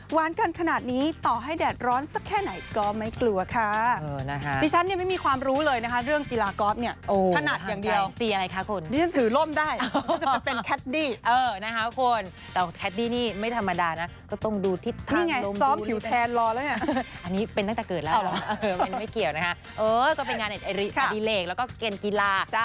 หวานกันขนาดนี้ต่อให้แดดร้อนสักแค่ไหนก็ไม่กลัวค่ะ